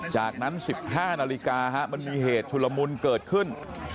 จากนั้น๑๕นาฬิกามันมีเหตุชุลมุนเกิดขึ้น